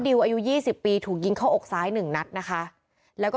อายุยี่สิบปีถูกยิงเข้าอกซ้ายหนึ่งนัดนะคะแล้วก็